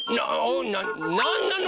なんなの？